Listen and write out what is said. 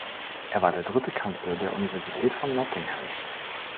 Er war der dritte Kanzler der Universität von Nottingham.